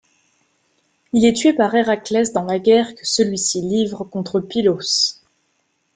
Il est tué par Héraclès dans la guerre que celui-ci livre contre Pylos.